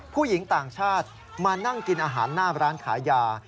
ต่างชาติมานั่งกินอาหารหน้าร้านขายยา